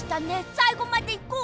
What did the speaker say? さいごまでいこう！